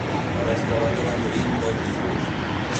La mestra va acabant morint del disgust.